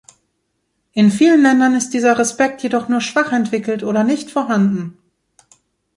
In vielen Ländern ist dieser Respekt jedoch nur schwach entwickelt oder nicht vorhanden.